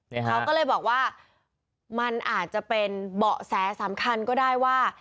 เขาก็เลยบอกว่ามันอาจจะเป็นเบาะแสสำคัญก็ได้ว่า